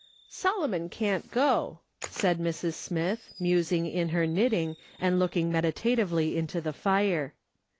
" Solomon can't go," said Mrs. Smith, musing in her knitting, and looking meditatively into the fire.